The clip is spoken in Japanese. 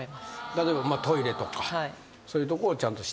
例えばトイレとかそういうとこをちゃんとしてほしい。